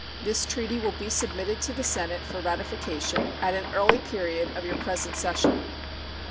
This treaty will be submitted to the Senate for ratification at an early period of your present session.